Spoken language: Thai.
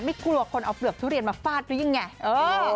ไม่กลัวคนเอาเปลือกทุเรียนมาฟาดหรือยังไง